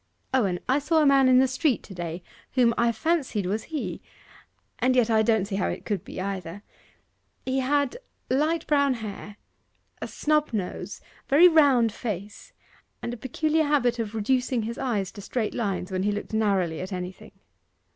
Owen, I saw a man in the street to day whom I fancied was he and yet, I don't see how it could be, either. He had light brown hair, a snub nose, very round face, and a peculiar habit of reducing his eyes to straight lines when he looked narrowly at anything.